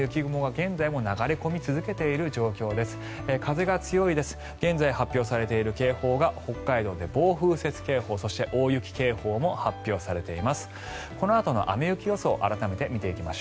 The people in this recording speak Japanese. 現在、発表されている警報が北海道で暴風雪警報、そして大雪警報も発表されています。